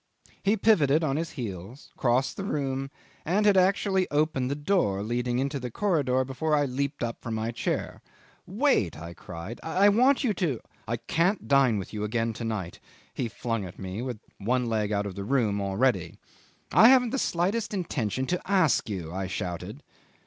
'He pivoted on his heels, crossed the room, and had actually opened the door leading into the corridor before I leaped up from my chair. "Wait," I cried, "I want you to ..." "I can't dine with you again to night," he flung at me, with one leg out of the room already. "I haven't the slightest intention to ask you," I shouted.